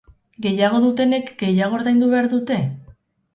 Gehiago dutenek gehiago ordaindu behar dute?